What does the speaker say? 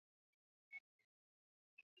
kwa hatua Waturuki walikaa Asia ya Kati